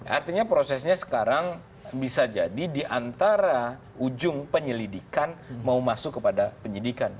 artinya prosesnya sekarang bisa jadi diantara ujung penyelidikan mau masuk kepada penyidikan